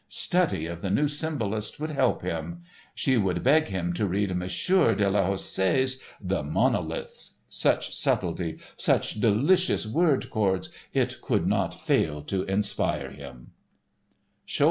Study of the new symbolists would help him. She would beg him to read Monsieur de la Houssaye's "The Monoliths." Such subtlety, such delicious word chords! It could not fail to inspire him.